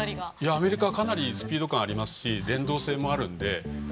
アメリカはかなりスピード感があるし連動性もあるので。